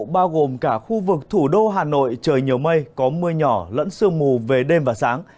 bao gồm cả khu vực thủ đô hà nội trời nhiều mây có mưa nhỏ lẫn sương mù về đêm và sáng